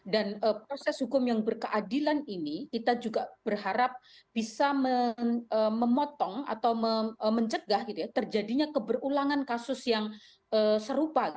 dan proses hukum yang berkeadilan ini kita juga berharap bisa memotong atau mencegah terjadinya keberulangan kasus yang serupa